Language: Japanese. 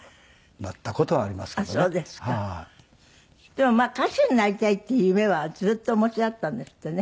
でもまあ歌手になりたいっていう夢はずっとお持ちだったんですってね。